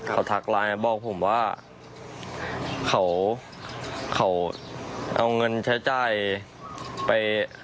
เขาทักไลน์มาบอกผมว่าเขาเอาเงินใช้จ่ายไป